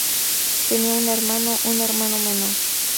Tenía un hermano, un hermano menor.